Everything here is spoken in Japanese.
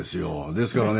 ですからね